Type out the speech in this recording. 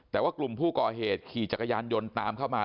แต่ว่ากลุ่มผู้ก่อเหตุขี่จักรยานยนต์ตามเข้ามา